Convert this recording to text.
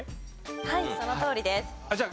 はいそのとおりです。